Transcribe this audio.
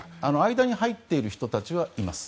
間に入っている人たちはいます。